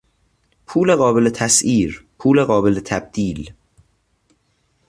پول قابل تسعیر، پول قابل تبدیل